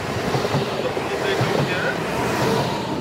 Tfehmeḍ anda yella wemgerrad?